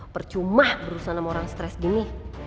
percuma perusahaan sama orang stres gini